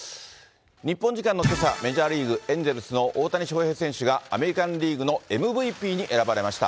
日本時間のけさ、メジャーリーグ・エンジェルスの大谷翔平選手がアメリカンリーグのＭＶＰに選ばれました。